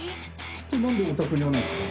なんでお宅にあるんですか？